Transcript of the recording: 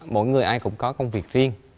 mỗi người ai cũng có công việc riêng